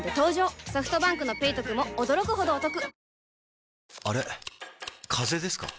ソフトバンクの「ペイトク」も驚くほどおトク